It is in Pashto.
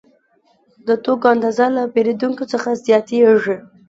د توکو اندازه له پیرودونکو څخه زیاتېږي